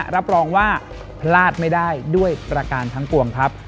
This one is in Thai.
รับรองว่าพลาดไม่ได้ด้วยประการทั้งปวงครับ